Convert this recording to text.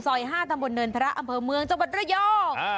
๕ตำบลเนินพระอำเภอเมืองจังหวัดระยอง